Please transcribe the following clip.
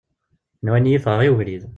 Nwan-iyi ffɣeɣ i ubrid.